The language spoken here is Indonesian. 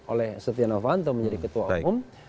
oleh setia novanto menjadi ketua umum